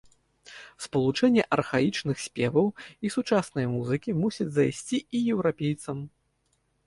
Спалучэнне архаічных спеваў і сучаснай музыкі мусіць зайсці і еўрапейцам.